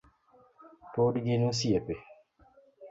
Pod gin osiepe